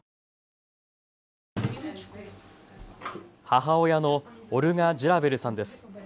母親のオルガ・ジュラベルさんです。